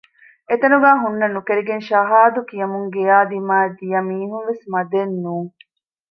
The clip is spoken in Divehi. އެތަނުގައި ހުންނަން ނުކެރިގެން ޝަހާދު ކިޔަމުން ގެޔާ ދިމާއަށް ދިޔަ މީހުންވެސް މަދެއް ނޫން